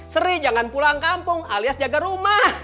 seri jangan pulang kampung alias jaga rumah